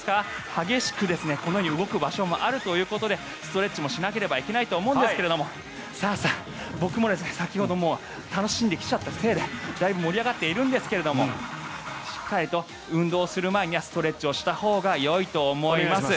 激しくこのように動く場所もあるということでストレッチもしなければいけないと思うんですけれども僕も先ほど楽しんできちゃったせいでだいぶ盛り上がっているんですけどもしっかりと運動する前にはストレッチをしたほうがよいと思います。